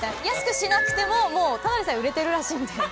安くしなくてももうただでさえ売れてるらしいので。